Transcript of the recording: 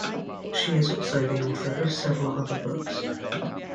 She is also the author of several other books.